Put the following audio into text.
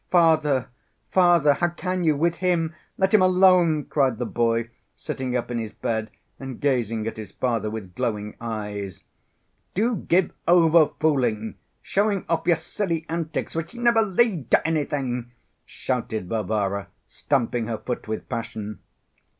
"Father, father, how can you—with him! Let him alone!" cried the boy, sitting up in his bed and gazing at his father with glowing eyes. "Do give over fooling, showing off your silly antics which never lead to anything!" shouted Varvara, stamping her foot with passion.